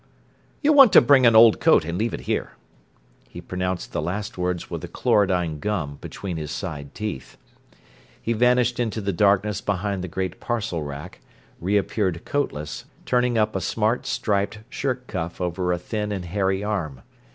"You want to bring an old coat and leave it here." He pronounced the last words with the chlorodyne gum between his side teeth. He vanished into the darkness behind the great parcel rack, reappeared coatless, turning up a smart striped shirt cuff over a thin and hairy arm.